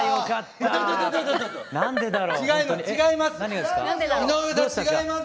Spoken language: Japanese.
違います